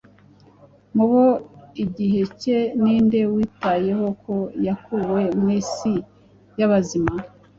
mu bo igihe cye, ni nde witayeho ko yakuwe mu isi y’abazima,